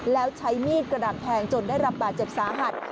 แล้วใช้มีดกระดาษแทงจนได้รับบาดเจ็บสาหัส